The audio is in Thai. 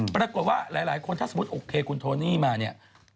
ปรากฏว่าหลายคนถ้าสมมุติโอเคคุณโทนี่มาเนี่ย